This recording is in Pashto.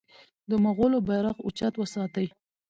د مغولو بیرغ اوچت وساتي.